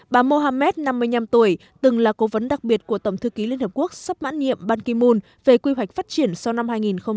bà mohamed năm mươi năm tuổi từng là cố vấn đặc biệt của tổng thư ký liên hợp quốc sắp mãn nhiệm ban ki moon về quy hoạch phát triển sau năm hai nghìn một mươi năm